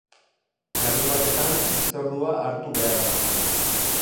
Larunbatetan hitzordua hartu behar da.